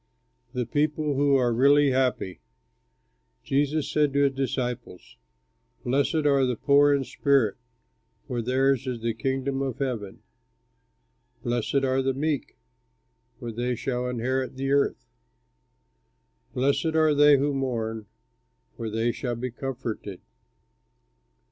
THE PEOPLE WHO ARE REALLY HAPPY Jesus said to his disciples: "Blessed are the poor in spirit, For theirs is the Kingdom of Heaven. Blessed are the meek, For they shall inherit the earth. Blessed are they who mourn, For they shall be comforted.